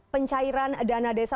pencairan dana desa